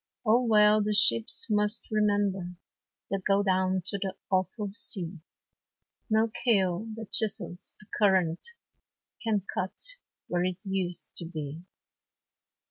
Oh, well the ships must remember, That go down to the awful sea, No keel that chisels the current Can cut where it used to be.